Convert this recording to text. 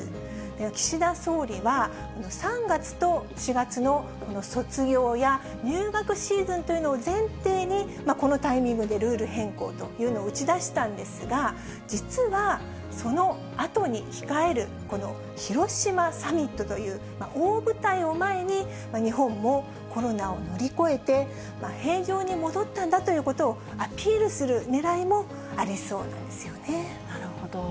岸田総理は、３月と４月のこの卒業や入学シーズンというのを前提に、このタイミングでルール変更というのを打ち出したんですが、実は、そのあとに控える、この広島サミットという大舞台を前に、日本もコロナを乗り越えて、平常に戻ったんだということをアピールするねらいもありそうなんなるほど。